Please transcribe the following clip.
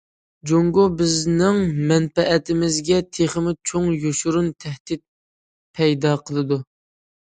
جۇڭگو بىزنىڭ مەنپەئەتىمىزگە تېخىمۇ چوڭ يوشۇرۇن تەھدىت پەيدا قىلىدۇ.